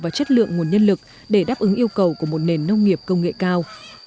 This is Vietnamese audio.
và chất lượng nguồn nhân lực để đáp ứng yêu cầu của một nền nông nghiệp công nghệ cao